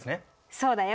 そうだよ。